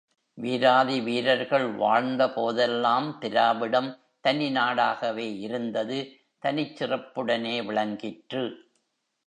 வீராதி வீரர்கள் வாழ்ந்தபோதெல்லாம் திராவிடம் தனி நாடாகவே இருந்தது தனிச் சிறப்புடனே விளங்கிற்று.